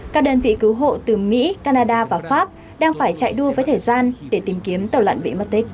các đơn vị cứu hộ từ mỹ canada và pháp đang phải chạy đua với thời gian để tìm kiếm tàu lặn bị mất tích